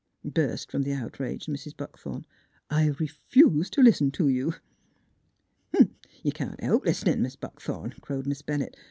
burst from the outraged Mrs. Buckthorn. " I refuse to lis ten to you." "' can't help lis'nin', Mis' Buckthorn," crowed Miss Bennett.